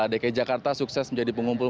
dki jakarta sukses menjadi pengumpul